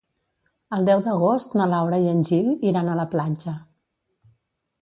El deu d'agost na Laura i en Gil iran a la platja.